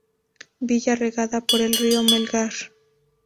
Villa regada por el río Melgar.